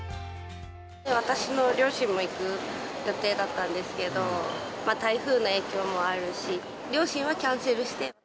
私の両親も行く予定だったんですけど、まあ、台風の影響もあるし、両親はキャンセルして。